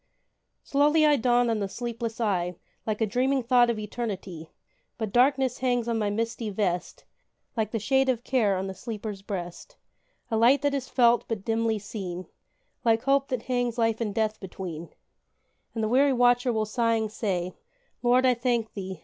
Slowly I dawn on the sleepless eye, Like a dreaming thought of eternity; But darkness hangs on my misty vest, Like the shade of care on the sleeper's breast; A light that is felt but dimly seen, Like hope that hangs life and death between; And the weary watcher will sighing say, "Lord, I thank thee!